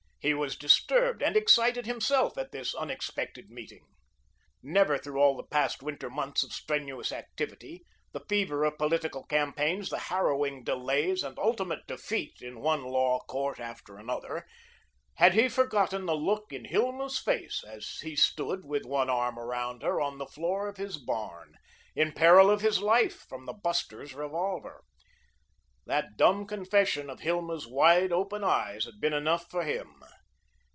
He was disturbed and excited himself at this unexpected meeting. Never through all the past winter months of strenuous activity, the fever of political campaigns, the harrowing delays and ultimate defeat in one law court after another, had he forgotten the look in Hilma's face as he stood with one arm around her on the floor of his barn, in peril of his life from the buster's revolver. That dumb confession of Hilma's wide open eyes had been enough for him.